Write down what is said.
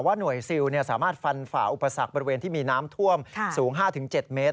หน่วยซิลสามารถฟันฝ่าอุปสรรคบริเวณที่มีน้ำท่วมสูง๕๗เมตร